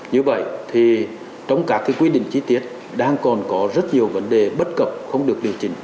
như vậy thì trong các quy định chi tiết đang còn có rất nhiều vấn đề bất cập không được điều chỉnh